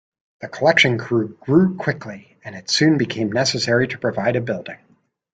The collection grew quickly, and it soon became necessary to provide a building.